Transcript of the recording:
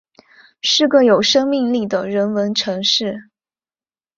是个有生命力的人文城市